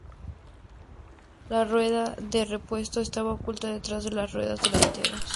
La rueda de repuesto estaba oculta detrás de las ruedas delanteras.